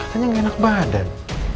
katanya nggak enak badan